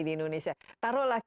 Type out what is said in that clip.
terima kasih pak az